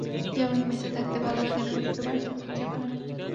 যেমন, মেসে থাকতে ভালো লাগে না, শুধু বাড়ি যেতে ইচ্ছে করে।